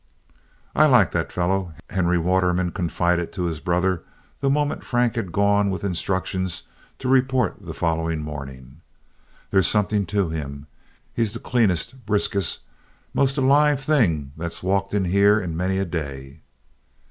"I like that fellow," Henry Waterman confided to his brother the moment Frank had gone with instructions to report the following morning. "There's something to him. He's the cleanest, briskest, most alive thing that's walked in here in many a day."